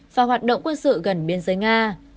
và hoạt động quân sự gần biên giới nga